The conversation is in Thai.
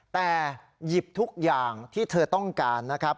แต่หยิบทุกอย่างที่เธอต้องการนะครับ